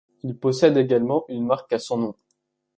Il possède également une marque à son nom.